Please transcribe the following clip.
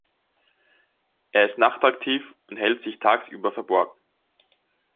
Er ist nachtaktiv und hält sich tagsüber verborgen.